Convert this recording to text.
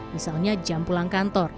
misalnya jam pulang kantor